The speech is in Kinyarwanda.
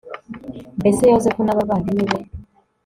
mbese yozefu n'abavandimwe be